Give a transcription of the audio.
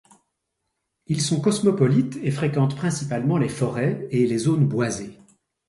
Ils sont cosmopolites et fréquentent principalement les forêts et les zones boisées.